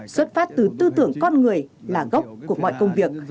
xuất phát từ tư tưởng con người là gốc của mọi công việc